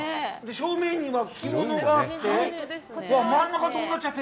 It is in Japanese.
正面には着物があって。